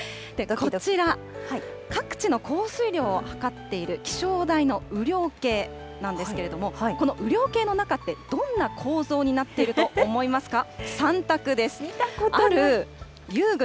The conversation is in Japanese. こちら、各地の降水量を計っている気象台の雨量計なんですけれども、この雨量計の中って、どんな構造になっていると思いますか。